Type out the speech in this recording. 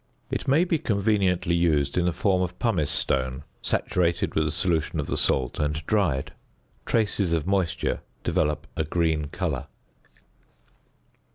It may be conveniently used in the form of pumice stone, saturated with a solution of the salt and dried. Traces of moisture develop a green colour.